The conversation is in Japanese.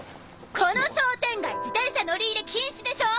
この商店街自転車乗り入れ禁止でしょ！